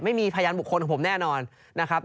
ไม่มีพยานบุคคลของผมแน่นอนนะครับ